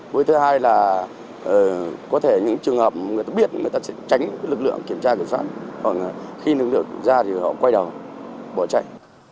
với thứ hai là có thể những trường hợp người ta biết người ta sẽ tránh lực lượng kiểm tra kiểm soát hoặc là khi lực lượng ra thì họ quay đầu bỏ chạy